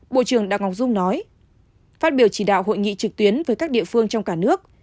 bộ trưởng đào ngọc dung nói phát biểu chỉ đạo hội nghị trực tuyến với các địa phương trong cả nước